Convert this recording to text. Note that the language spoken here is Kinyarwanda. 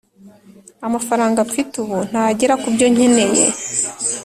amafaranga mfite ubu ntagera kubyo nkeneye.